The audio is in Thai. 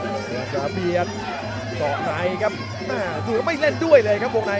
เมื่อสั่งบ้านเบียนก็ไม่เล่นด้วยเลยครับวงใน